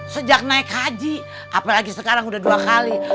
sejak naik haji apalagi sekarang udah dua kali